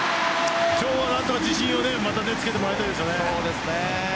今日は何とか自信をつけてもらいたいです。